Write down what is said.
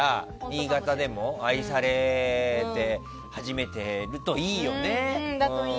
新潟でも愛され始めているといいよね。